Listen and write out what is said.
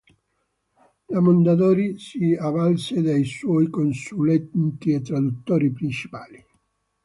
La Mondadori si avvalse dei suoi consulenti e traduttori principali.